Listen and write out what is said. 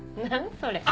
それ。